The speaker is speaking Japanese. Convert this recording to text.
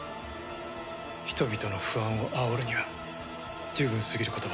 人々の不安をあおるには十分すぎる言葉ですね。